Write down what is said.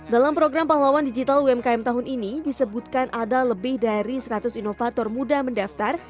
dalam program pahlawan digital umkm tahun ini disebutkan ada lebih dari seratus inovator muda mendaftar